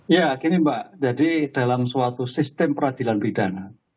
ya gini mbak jadi dalam suatu sistem peradilan pidana